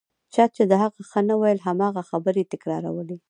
چا چې د هغه ښه نه ویل هماغه خبرې تکرارولې.